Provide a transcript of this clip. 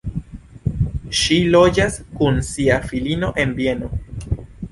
Ŝi loĝas kun sia filino en Vieno.